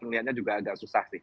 melihatnya juga agak susah sih